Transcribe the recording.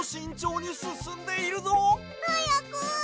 はやく！